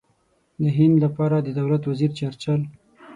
د هند لپاره د دولت وزیر چرچل.